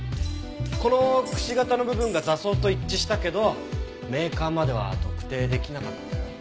この櫛形の部分が挫創と一致したけどメーカーまでは特定できなかったよ。